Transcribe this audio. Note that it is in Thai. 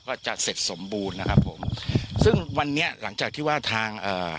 ก็จะเสร็จสมบูรณ์นะครับผมซึ่งวันนี้หลังจากที่ว่าทางเอ่อ